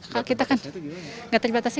kalau kita kan nggak terbatasnya gini loh